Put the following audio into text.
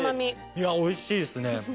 いや美味しいですね。